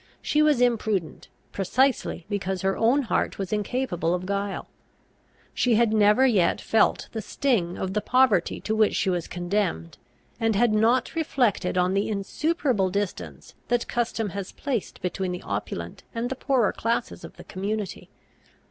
She was imprudent, precisely because her own heart was incapable of guile. She had never yet felt the sting of the poverty to which she was condemned, and had not reflected on the insuperable distance that custom has placed between the opulent and the poorer classes of the community.